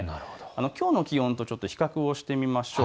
きょうの気温とちょっと比較をしてみましょう。